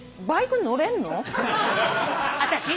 私？